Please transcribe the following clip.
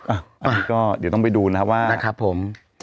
อ่ะก็เดี๋ยวต้องไปดูนะครับว่านะครับผม